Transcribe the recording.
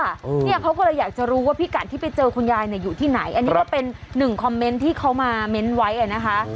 เนี่ยเขาก็เลยอยากจะรู้ว่าพี่กัดที่ไปเจอคุณยายเนี่ยอยู่ที่ไหนอันนี้ก็เป็นหนึ่งคอมเมนต์ที่เขามาเม้นต์ไว้อ่ะนะคะ